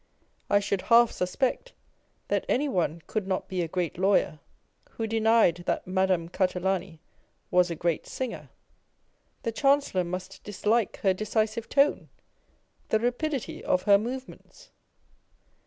I should half suspect that any one could not be a great lawyer, who denied that Madame Catalani was a great singer. The Chancellor must dislike her decisive tone, the rapidity of her movements